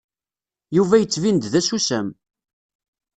Yuba yettbin-d d asusam.